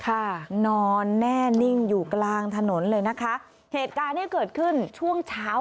ค่ะนอนแน่นิ่งอยู่กลางถนนเลยนะคะเหตุการณ์เนี้ยเกิดขึ้นช่วงเช้า